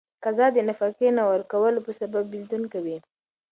قضا د نفقې نه ورکولو په سبب بيلتون کوي.